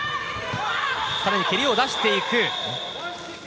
更に蹴りを出していく。